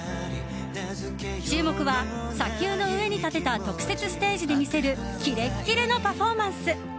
注目は砂丘の上に建てた特設ステージで見せるキレキレのパフォーマンス。